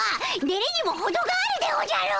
デレにもほどがあるでおじゃる！